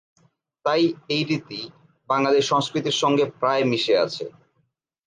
তাই এ রীতি বাঙালির সংস্কৃতির সঙ্গে প্রায় মিশে আছে।